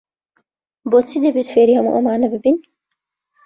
بۆچی دەبێت فێری هەموو ئەمانە ببین؟